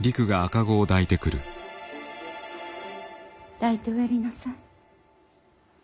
抱いておやりなさい。